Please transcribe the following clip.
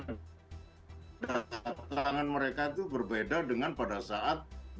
datangan mereka itu berbeda dengan pada saat dua puluh dua